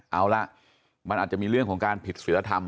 เอาละมันอาจจะมีเรื่องของการผิดสีระทำ